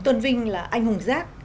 tôn vinh là anh hùng rác